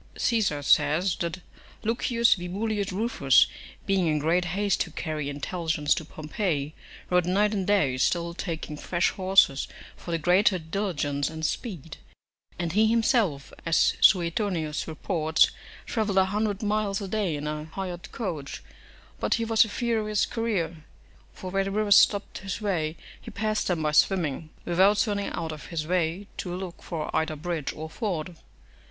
Caesar says, that Lucius Vibullius Rufus, being in great haste to carry intelligence to Pompey, rode night and day, still taking fresh horses for the greater diligence and speed; and he himself, as Suetonius reports, travelled a hundred miles a day in a hired coach; but he was a furious courier, for where the rivers stopped his way he passed them by swimming, without turning out of his way to look for either bridge or ford.